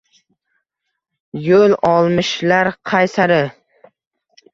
Yo’l olmishlar qay sari?